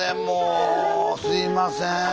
もうすいません。